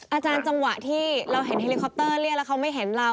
จังหวะที่เราเห็นเฮลิคอปเตอร์เรียกแล้วเขาไม่เห็นเรา